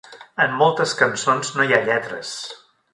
En moltes cançons no hi ha lletres!